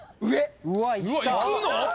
うわいくの！？